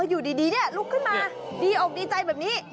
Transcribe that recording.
อยู่ดีลุกขึ้นมาดีอกดีใจแบบนี้